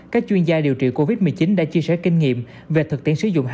các chuyên gia điều trị covid một mươi chín đã chia sẻ kinh nghiệm về thực tiễn sử dụng hàng